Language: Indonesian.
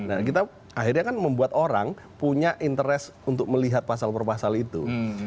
nah kita akhirnya kan membuat orang punya interest untuk melihat pasal per pasal itu